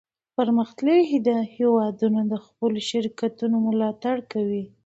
پرمختللي هیوادونه د خپلو شرکتونو ملاتړ کوي